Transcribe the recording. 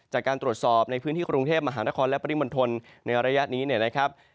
จากการตรวจสอบในพื้นที่กรุงเทพมหานครและปริมณฑลในระยะนี้เนี่ยนะครับ